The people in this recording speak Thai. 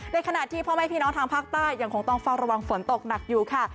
ขณะที่พ่อแม่พี่น้องทางภาคใต้ยังคงต้องเฝ้าระวังฝนตกหนักอยู่ค่ะ